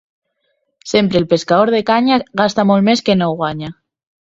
Sempre el pescador de canya gasta molt més que no guanya.